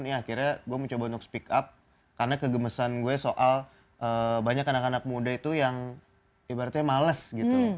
ini akhirnya gue mencoba untuk speak up karena kegemesan gue soal banyak anak anak muda itu yang ibaratnya males gitu